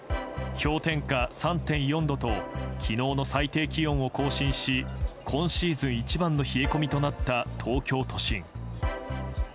氷点下３．４度と昨日の最低気温を更新し今シーズン一番の冷え込みとなった東京都心。